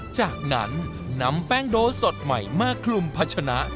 จากนั้นนำแป้งโดสดใหม่มาคลุมพัชนะ